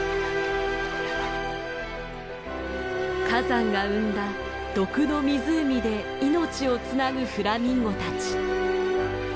火山が生んだ毒の湖で命をつなぐフラミンゴたち。